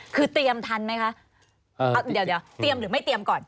คือเตรียมทันไหมคะเอาเดี๋ยวเตรียมหรือไม่เตรียมก่อน